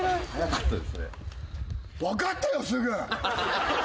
分かったよすぐ。